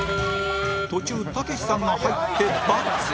途中たけしさんが入って×